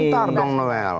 sebentar dong noen